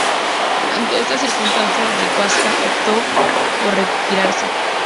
Ante esta circunstancia, el "Huáscar" optó por retirarse.